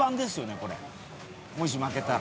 これ、もし負けたら。